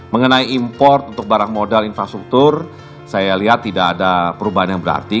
mengenai import untuk barang modal infrastruktur saya lihat tidak ada perubahan yang berarti